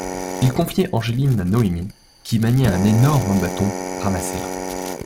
Il confiait Angeline à Noémie qui maniait un énorme bâton ramassé là.